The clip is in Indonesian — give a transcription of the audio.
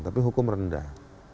tapi hukum rendah